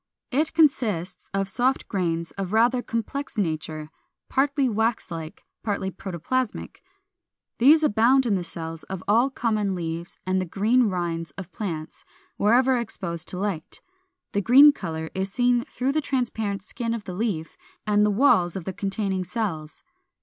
It consists of soft grains of rather complex nature, partly wax like, partly protoplasmic. These abound in the cells of all common leaves and the green rind of plants, wherever exposed to the light. The green color is seen through the transparent skin of the leaf and the walls of the containing cells.